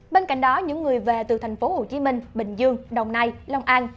bên cạnh đó những người về từ tp hcm bình dương đồng nai long an